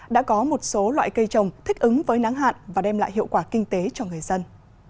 đã có một số loại cây trồng thích ứng với nắng hạn và đem lại hiệu quả kinh tế cho người dân